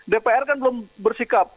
dpr kan belum bersikap